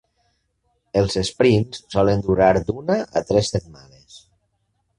Els sprints solen durar d'una a tres setmanes.